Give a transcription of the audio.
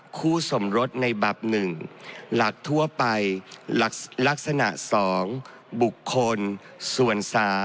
คู่สมรสในบับ๑หลักทั่วไปลักษณะ๒บุคคลส่วน๓